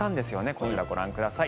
こちら、ご覧ください。